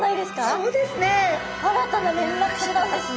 そうですね。